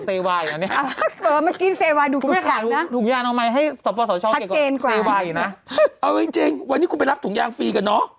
เอาจริงวันนี้คุณไปรับถุงยางฟรีกันเนอะ